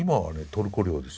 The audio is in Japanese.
トルコ領ですよ。